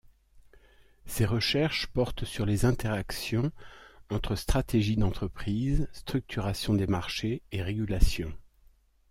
Ses recherches portent sur les interactions entre stratégies d’entreprises, structuration des marchés et régulation.